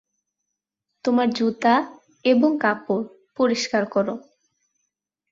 তোমার জুতা এবং কাপড় পরিষ্কার কর।